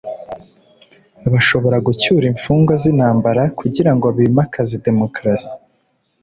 Bashobora gucyura imfungwa z’ intambara kugira ngo bbimakaze demokarasi